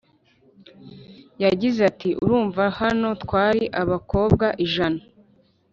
Yagize ati" Urumva hano twari abakobwa ijana